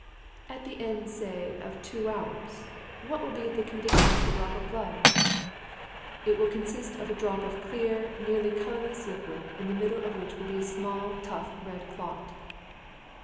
"At the end, say, of two hours, what will be the condition of the drop of blood?" "It will consist of a drop of clear, nearly colourless liquid, in the middle of which will be a small, tough, red clot."